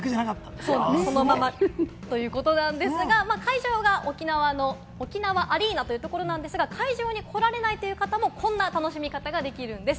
そのままということなんですが会場が沖縄アリーナというところなんですが、会場に来られないという方もこんな楽しみ方ができるんです。